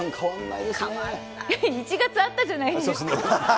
いやいや、１月会ったじゃないですか。